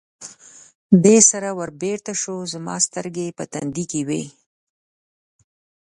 دې سره ور بېرته شو، زما سترګې په تندي کې وې.